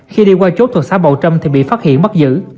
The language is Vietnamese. khi đi qua chốt thuộc xã bầu trâm thì bị phát hiện bắt giữ